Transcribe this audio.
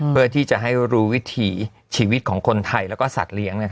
เพื่อที่จะให้รู้วิถีชีวิตของคนไทยและสัตว์เลี้ยง